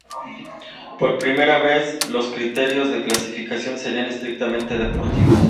Por primera vez, los criterios de clasificación serían estrictamente deportivos.